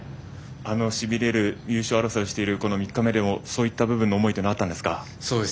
しびれる優勝争いをしている３日目でもそういった部分の思いはあったんですか？